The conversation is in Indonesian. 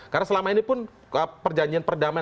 karena selama ini pun perjanjian perdamaian